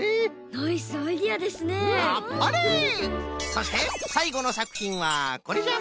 そしてさいごのさくひんはこれじゃ。